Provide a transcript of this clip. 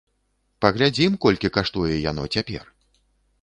Паглядзім, колькі каштуе яно цяпер.